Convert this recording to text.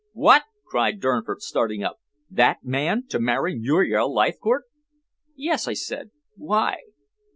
"What!" cried Durnford, starting up. "That man to marry Muriel Leithcourt?" "Yes," I said. "Why?"